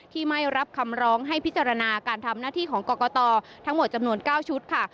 ไม่รับคำร้องให้พิจารณาการทำหน้าที่ของกรกตทั้งหมดจำนวน๙ชุดค่ะ